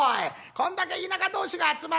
こんだけ田舎同士が集まってんだ。